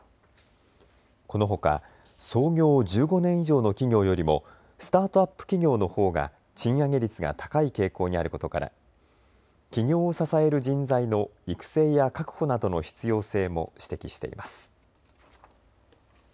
このほか創業１５年以上の企業よりもスタートアップ企業のほうが賃上げ率が高い傾向にあることから起業を支える人材の育成や確保などの必要性も指摘しています。